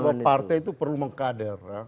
kita bicara bahwa partai itu perlu mengkader